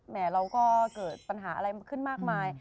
เราก็เกิดปัญหาอะไรขึ้นมากมาย